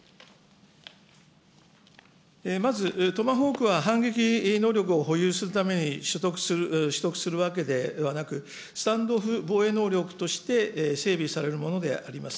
まずトマホークは反撃能力を保有するために取得するわけではなく、スタンド・オフ防衛能力として整備されるものであります。